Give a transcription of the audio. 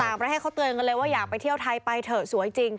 ต่างประเทศเขาเตือนกันเลยว่าอยากไปเที่ยวไทยไปเถอะสวยจริง